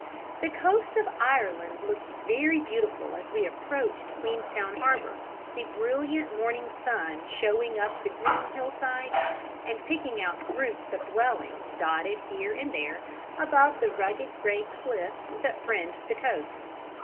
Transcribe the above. The coast of Ireland looked very beautiful as we approached Queenstown Harbour, the brilliant morning sun showing up the green hillsides and picking out groups of dwellings dotted here and there above the rugged grey cliffs that fringed the coast.